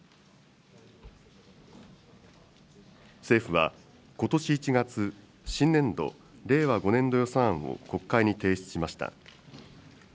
政府はことし１月、新年度・令和５年度予算案を国会に提出しました。